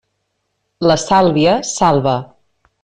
La sàlvia salva.